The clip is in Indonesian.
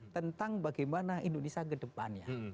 tentang bagaimana indonesia kedepannya